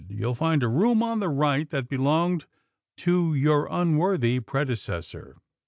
You'll find a room on the right that belonged to your unworthy predecessor.